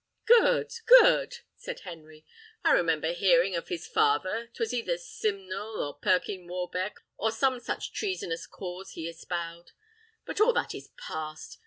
"Good, good!" said Henry: "I remember hearing of his father; 'twas either Simnel, or Perkyn Warbeck, or some such treasonous cause he espoused. But all that is past.